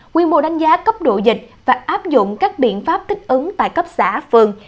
quy mô đánh giá cấp độ dịch và áp dụng các biện pháp thích ứng tại cấp xã phường